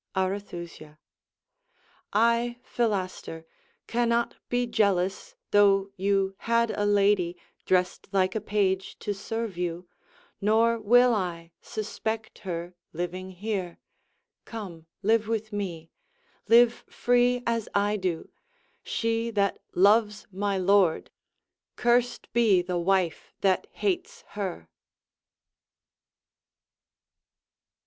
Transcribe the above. Arethusa I, Philaster, Cannot be jealous, though you had a lady Drest like a page to serve you; nor will I Suspect her living here. Come, live with me; Live free as I do. She that loves my lord, Cursed be the wife that hates her!